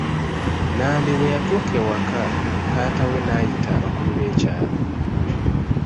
Nambi bwe yatuuka ewaka, taata we n'ayita abakulu b'ekyaalo.